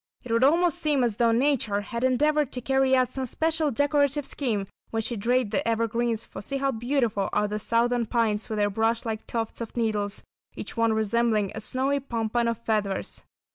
It would almost seem as though nature had endeavoured to carry out some special decorative scheme when she draped the evergreens, for see how beautiful are the Southern Pines with their brush like tufts of needles, each one resembling a snowy pompon of feathers.